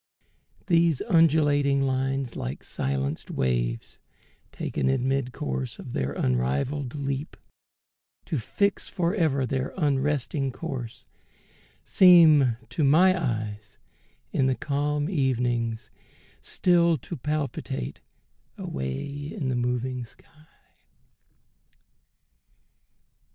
These undulating lines, like silenced waves Taken in mid course of their unrivalled leap, To fix forever their unresting course, Seem to my eyes, in the calm evenings, still To palpitate away into the moving sky.